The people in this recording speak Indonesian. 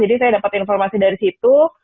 jadi saya dapat informasi dari situ